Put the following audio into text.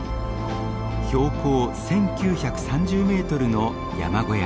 標高１，９３０メートルの山小屋。